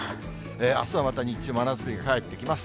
あすはまた日中、真夏日が返ってきます。